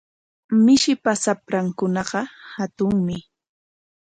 Mishipa shaprankunaqa hatunmi.